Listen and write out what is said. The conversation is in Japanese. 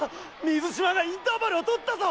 水嶋がインターバルを取ったぞ！